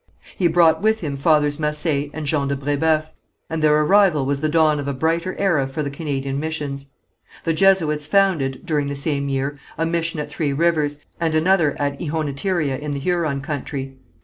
He brought with him Fathers Massé and Jean de Brébeuf, and their arrival was the dawn of a brighter era for the Canadian missions. The Jesuits founded, during the same year, a mission at Three Rivers, and another at Ihonatiria in the Huron country.